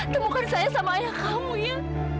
temukan saya sama ayah kamu ya